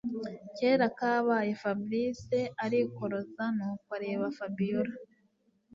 kera kabaye Fabric arikoroza nuko areba Fabiora